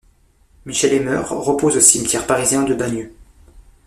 Michel Emer repose au cimetière parisien de Bagneux.